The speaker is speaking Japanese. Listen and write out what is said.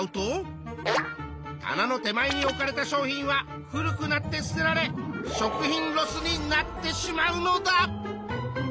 棚の手前に置かれた商品は古くなって捨てられ食品ロスになってしまうのだ！